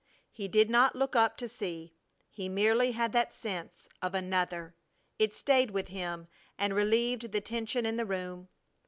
He did not look up to see. He merely had that sense of Another. It stayed with him and relieved the tension in the room.